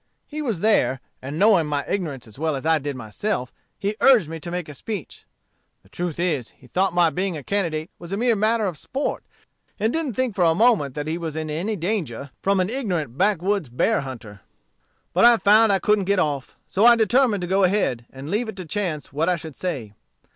He was there, and knowing my ignorance as well as I did myself, he urged me to make a speech. The truth is, he thought my being a candidate was a mere matter of sport, and didn't think for a moment that he was in any danger from an ignorant back woods bear hunter. "But I found I couldn't get off. So I determined to go ahead, and leave it to chance what I should say.